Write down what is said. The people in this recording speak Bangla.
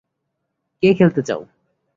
কে খেলতে চাও!